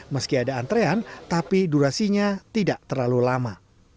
meski ada antrean tapi durasinya tidak terlalu lama